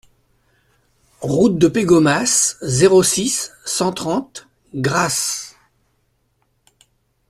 Route de Pégomas, zéro six, cent trente Grasse